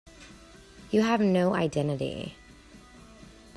You have no identity.